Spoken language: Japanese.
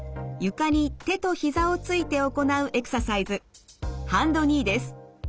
床に手とひざをついて行うエクササイズハンドニーです。